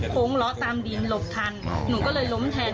ล้อตามดินหลบทันหนูก็เลยล้มแทน